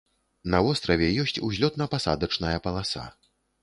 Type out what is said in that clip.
На востраве ёсць узлётна-пасадачная паласа.